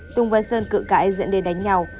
tùng và sơn cự cãi dẫn đến đánh nhau